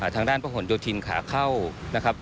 ทางด้านพระหลโยธินขาเข้านะครับ